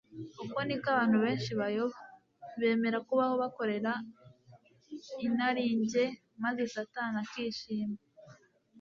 Uko niko abantu benshi bayoba. Bemera kubaho bakorera inarinjye maze Satani akishima.